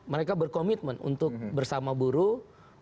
mereka berkomitmen untuk bersama buruh